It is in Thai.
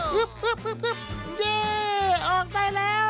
เย่ออกได้แล้ว